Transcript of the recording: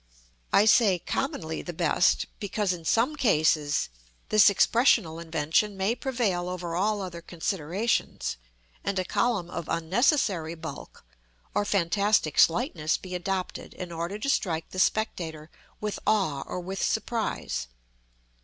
I say, commonly the best, because, in some cases, this expressional invention may prevail over all other considerations, and a column of unnecessary bulk or fantastic slightness be adopted in order to strike the spectator with awe or with surprise.